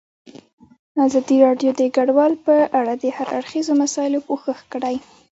ازادي راډیو د کډوال په اړه د هر اړخیزو مسایلو پوښښ کړی.